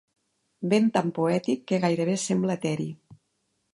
Vent tan poètic que gairebé sembla eteri.